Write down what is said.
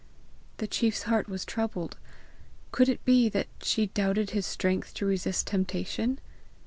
The chief's heart was troubled; could it be that she doubted his strength to resist temptation?